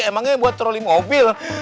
emangnya buat troli mobil